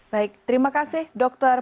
baik terima kasih dokter